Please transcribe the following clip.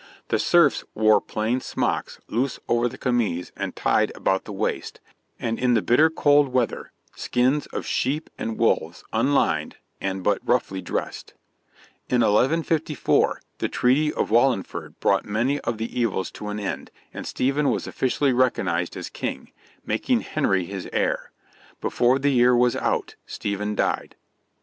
The serfs wore plain smocks loose over the camise and tied about the waist, and in the bitter cold weather skins of sheep and wolves unlined and but roughly dressed. [Illustration: Cases for the Hair.] In 1154 the Treaty of Wallingford brought many of the evils to an end, and Stephen was officially recognised as King, making Henry his heir. Before the year was out Stephen died.